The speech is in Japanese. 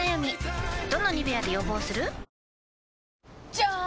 じゃーん！